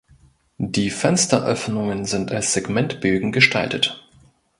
Die Fensteröffnungen sind als Segmentbögen gestaltet.